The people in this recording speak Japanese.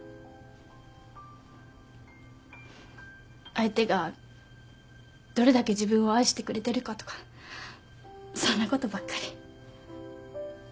相手がどれだけ自分を愛してくれてるかとかそんなことばっかり。